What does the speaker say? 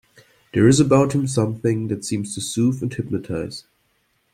There is about him something that seems to soothe and hypnotize.